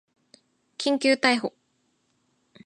緊急逮捕